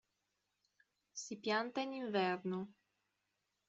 Si pianta in inverno.